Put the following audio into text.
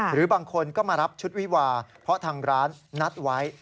หรือบางคนก็มารับชุดวิวาเพราะทางร้านนัดไว้